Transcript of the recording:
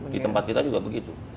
di tempat kita juga begitu